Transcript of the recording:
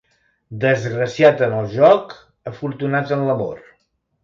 Desgraciat en el joc, afortunat en l'amor.